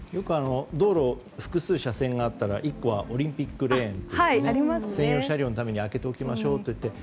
道路で複数車線があったら１個はオリンピックレーンって専用車両のために開けておきましょうとなって。